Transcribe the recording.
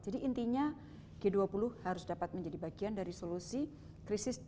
jadi intinya g dua puluh harus dapat menjadi bagian dari solusi krisis